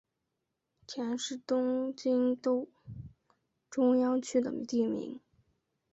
佃是东京都中央区的地名。